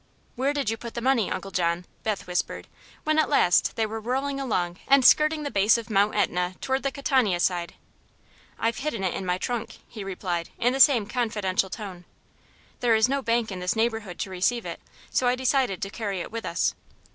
"Where did you put the money, Uncle John?" Beth whispered, when at last they were whirling along and skirting the base of Mt. Etna toward the Catania side. "I've hidden it in my trunk," he replied, in the same confidential tone. "There is no bank in this neighborhood to receive it, so I decided to carry it with us."